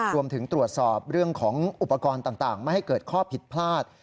รวมถึงตรวจสอบเรื่องของอุปกรณ์ต่างไม่ให้เกิดข้อผิดพลาด